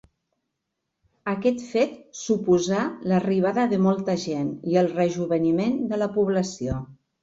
Aquest fet suposà l'arribada de molta gent i el rejoveniment de la població.